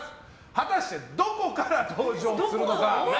果たして、どこから登場するのか。